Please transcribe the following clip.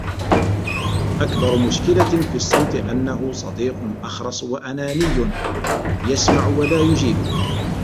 أكبر مشكلة في الصمت أنه صديق أخرس وأناني.. يسمع ولا يجيب.